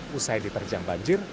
pusai diterjang banjir